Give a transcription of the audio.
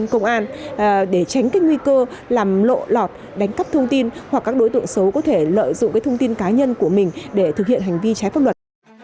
công an để tránh các nguy cơ làm lộ lọt đánh cắp thông tin hoặc các đối tượng xấu có thể lợi dụng cái thông tin cá nhân của mình để thực hiện hành vi trái pháp luật